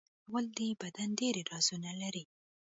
غول د بدن ډېری رازونه لري.